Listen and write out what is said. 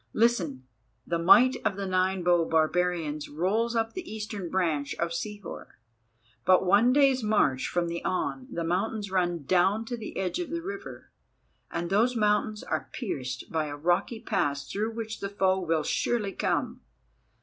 Listen, the might of the Nine bow barbarians rolls up the eastern branch of Sihor. But one day's march from On the mountains run down to the edge of the river, and those mountains are pierced by a rocky pass through which the foe will surely come.